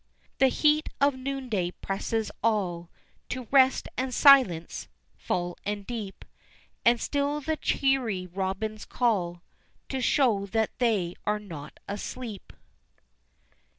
The heat of noonday presses all To rest and silence, full and deep, And still the cheery robins call To show that they are not asleep.